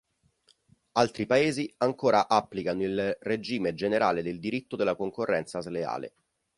Altri paesi ancora applicano il regime generale del Diritto della Concorrenza Sleale.